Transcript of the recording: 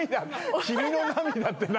「君の涙」って何？